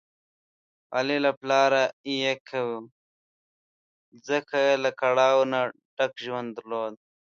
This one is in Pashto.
علي له پلاره یکه و، ځکه یې له کړاو نه ډک ژوند درلود.